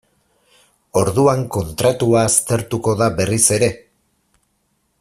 Orduan kontratua aztertuko da berriz ere?